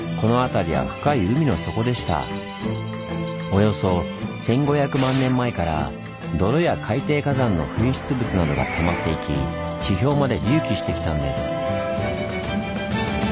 およそ１，５００万年前から泥や海底火山の噴出物などがたまっていき地表まで隆起してきたんです。